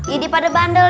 ya daripada bandel